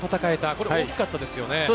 これは大きかったですよね。